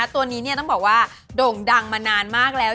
ตัวนี้ต้องบอกว่าโด่งดังมานานมากแล้ว